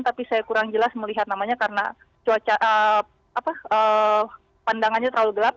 tapi saya kurang jelas melihat namanya karena cuaca pandangannya terlalu gelap